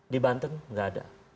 di banten nggak ada